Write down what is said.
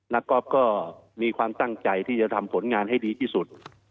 ก๊อฟก็มีความตั้งใจที่จะทำผลงานให้ดีที่สุด